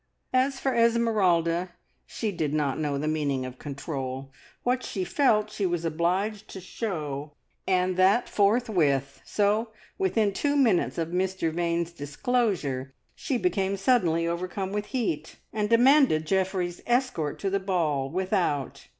As for Esmeralda, she did not know the meaning of control; what she felt she was obliged to show, and that forthwith, so within two minutes of Mr Vane's disclosure she became suddenly overcome with heat, and demanded Geoffrey's escort to the ball without.